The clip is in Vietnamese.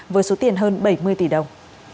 với số tiền hơn bảy mươi tỷ đồng